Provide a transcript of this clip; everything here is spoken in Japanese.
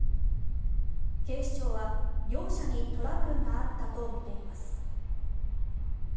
警視庁は、両者にトラブルがあったとみています。